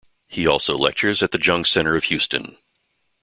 He also lectures at The Jung Center of Houston.